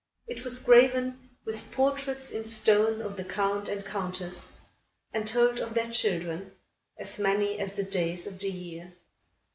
It was graven with portraits in stone of the Count and Countess and told of their children, as many as the days of the year.